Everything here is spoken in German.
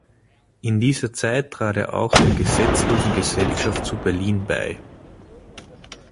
In dieser Zeit trat er auch der Gesetzlosen Gesellschaft zu Berlin bei.